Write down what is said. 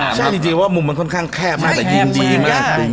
ใช่จริงว่ามุมมันค่อนข้างแคบมากแต่ยิ่งดีมาก